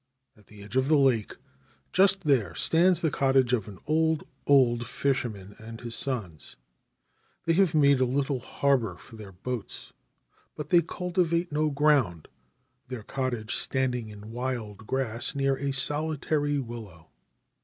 At the edge of the lake, just there, stands the cottage of ah old old fisherman and his sons. They have made a little harbour for their boats ; but they cultivate no ground, their cottage standing in wild grass near a solitary willow.